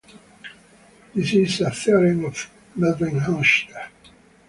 This is a theorem of Melvin Hochster.